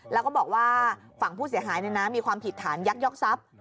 แล้วก็บอกว่าฝั่งผู้เสียหายมีความผิดฐานยักยอกทรัพย์